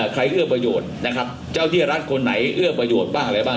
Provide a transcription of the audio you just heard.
เอื้อประโยชน์นะครับเจ้าที่รัฐคนไหนเอื้อประโยชน์บ้างอะไรบ้าง